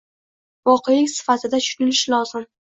voqelik sifatida tushunilishi lozim.